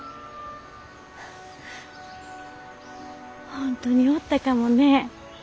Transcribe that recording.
本当におったかもね。